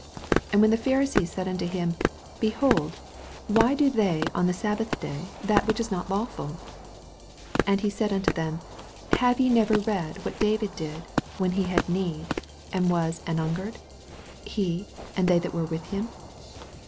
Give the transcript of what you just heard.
24 And the Pharisees said unto him, Behold, why do they on the sabbath day that which is not lawful ? 25 And he said unto them, Have ye never read what David did, when he had need, and was an hungered, he, and they that were with him